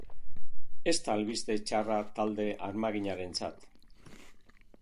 Ez da albiste txarra talde armaginarentzat.